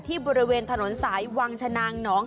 บริเวณถนนสายวังชนางหนอง